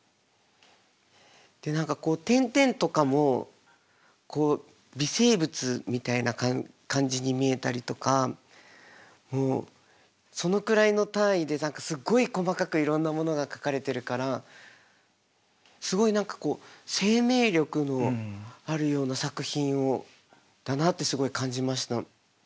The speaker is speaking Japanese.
で何かこう点々とかも微生物みたいな感じに見えたりとかもうそのくらいの単位で何かすっごい細かくいろんなものが描かれてるからすごい生命力のあるような作品だなってすごい感じました。